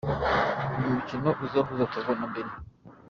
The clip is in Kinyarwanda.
Ni umukino uzahuza Togo na Bénin.